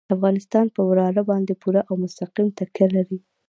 افغانستان په واوره باندې پوره او مستقیمه تکیه لري.